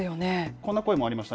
こんな声がありました。